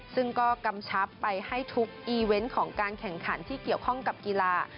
ซึ่งก็กำชับไปให้ทุกอีเวนต์ของการแข่งขันที่เกี่ยวข้องกับกีฬา